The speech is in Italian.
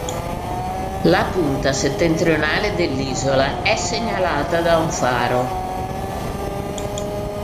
La punta settentrionale dell'isola è segnalata da un faro.